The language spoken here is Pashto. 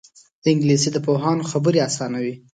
انګلیسي د پوهانو خبرې اسانوي